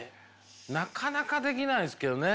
なかなかできないっすけどね。